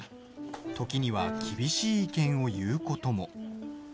時には厳しい意見を言うことも。